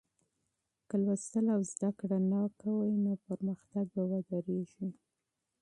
که مطالعه او زده کړه مه کوې، نو پرمختګ به ودرېږي.